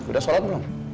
udah sholat belum